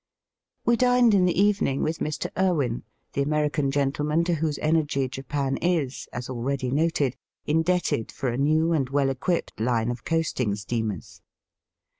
We dined in the evening with Mr. Irwin, the American gentleman to whose energy Japan is, as already noted, indebted for a new and well equipped line qf coasting steamers.